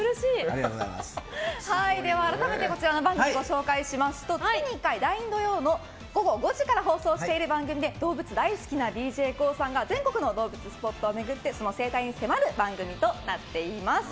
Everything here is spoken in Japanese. では、改めてこちらの番組をご紹介すると月に１回第２土曜日午後５時から放送している番組で動物大好きなＤＪＫＯＯさんが全国の動物スポットを巡って、その生態に迫る番組となっています。